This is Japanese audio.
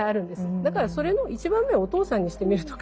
だからそれの１番目をお父さんにしてみるとか。